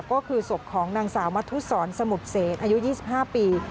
ก็คือศพของนางสาวมัธุศรสมุทรเสนอายุ๒๕ปี